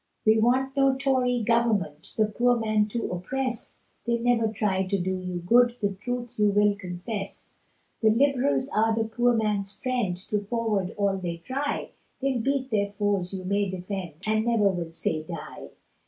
We want no Tory government, The poor man to oppress, They never try to do you good, The truth you will confess. The Liberals are the poor man's friend, To forward all they try, They'll beat their foes you may defend, And never will say, die.